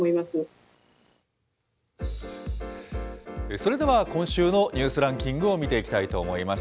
それでは今週のニュースランキングを見ていきたいと思います。